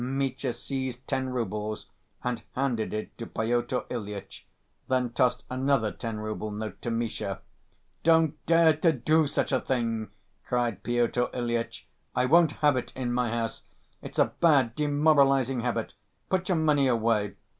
Mitya seized ten roubles and handed it to Pyotr Ilyitch, then tossed another ten‐rouble note to Misha. "Don't dare to do such a thing!" cried Pyotr Ilyitch. "I won't have it in my house, it's a bad, demoralizing habit. Put your money away.